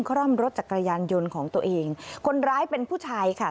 คร่อมรถจักรยานยนต์ของตัวเองคนร้ายเป็นผู้ชายค่ะ